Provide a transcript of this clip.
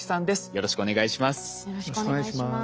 よろしくお願いします。